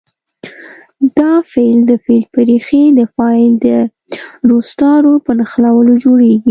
دا فعل د فعل په ریښې د فاعل د روستارو په نښلولو جوړیږي.